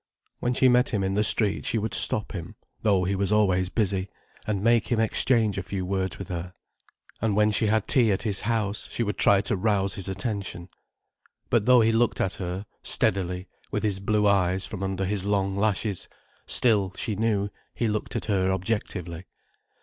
When she met him in the street she would stop him—though he was always busy—and make him exchange a few words with her. And when she had tea at his house, she would try to rouse his attention. But though he looked at her, steadily, with his blue eyes, from under his long lashes, still, she knew, he looked at her objectively.